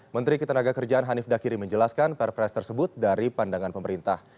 menteri ketenaga kerjaan hanif dakiri menjelaskan perpres tersebut dari pandangan pemerintah